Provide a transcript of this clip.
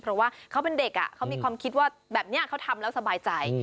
เพราะว่าเขาเป็นเด็กเขามีความคิดว่าแบบนี้เขาทำแล้วสบายใจ